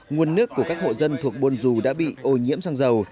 nguồn nước của các hộ dân thuộc buôn dù đã bị ô nhiễm sang dầu